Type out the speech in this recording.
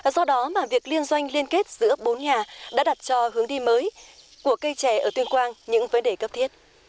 do đó mà việc liên doanh liên kết giữa bốn nhà đã đặt cho hướng đi mới của cây trẻ ở tuyên quang những vấn đề cấp thiết